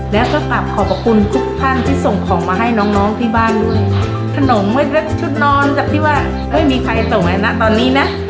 แล้วก็กลับขอบพระคุณทุกท่านที่ส่งของมาให้น้องน้องที่บ้านด้วยขนมชุดนอนกับที่ว่าเฮ้ยมีใครส่งแล้วนะตอนนี้นะ